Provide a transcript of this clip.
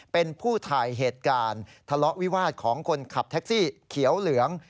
เป็นผู้ถ่ายเหตุการณ์ทะเลาะวิวาสของคนขับแท็กซี่เขียวเหลือง